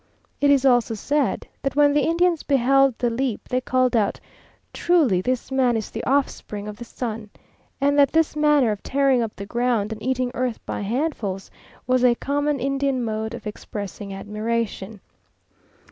It is also said that when the Indians beheld the leap they called out, "Truly this man is the offspring of the sun;" and that this manner of tearing up the ground, and eating earth by handfuls, was a common Indian mode of expressing admiration.